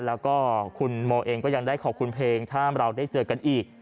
แล้วก็คุณโมเองก็ยังได้ขอบคุณเพลงถ้าเราได้เจอกันอีก